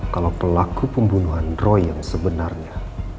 kalau pelaku pembunuhan roy yang sebenarnya